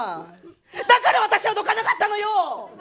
だから私はどかなかったのよ。